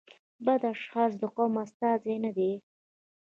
بد اشخاص د قوم استازي نه دي.